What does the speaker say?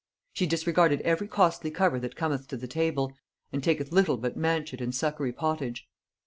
She disregarded every costly cover that cometh to the table, and taketh little but manchet and succory pottage.